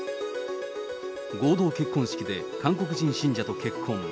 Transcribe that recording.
合同結婚式で、韓国人信者と結婚。